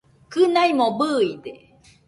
Kɨnaimo bɨide